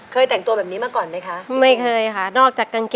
เคยแต่งตัวแบบนี้มาก่อนไหมคะ